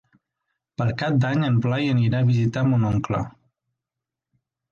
Per Cap d'Any en Blai anirà a visitar mon oncle.